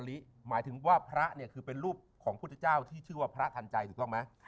ลิหมายถึงว่าพระคือเป็นรูปของพระพุทธเจ้าที่ชื่อว่าพระทันติจิตรกได้มั้ย